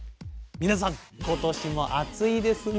皆さん今年も暑いですね。